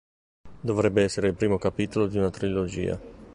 Dovrebbe essere il primo capitolo di una trilogia.